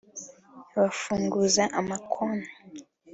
bafunguza ama konti